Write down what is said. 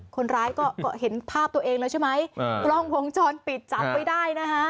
คนร้ายก็เห็นภาพตัวเองแล้วใช่ไหมกล้องวงจรปิดจับไว้ได้นะคะ